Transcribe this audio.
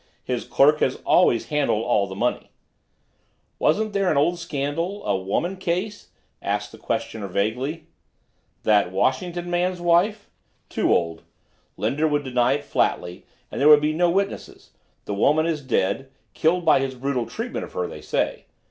His clerk has always handled all the money." "Wasn't there an old scandal—a woman case?" asked the questioner vaguely. "That Washington man's wife? Too old. Linder would deny it flatly, and there would be no witnesses. The woman is dead—killed by his brutal treatment of her, they say.